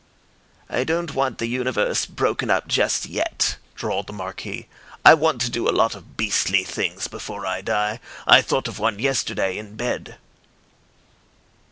"I don't want the universe broken up just yet," drawled the Marquis. "I want to do a lot of beastly things before I die. I thought of one yesterday in bed."